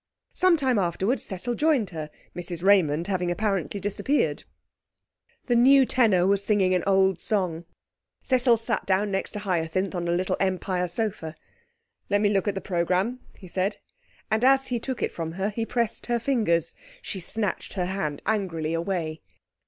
Some time afterwards Cecil joined her, Mrs Raymond having apparently disappeared. The new tenor was singing an old song. Cecil sat down next to Hyacinth on a little Empire sofa. 'Let me look at the programme,' he said. And as he took it from her he pressed her fingers. She snatched her hand angrily away.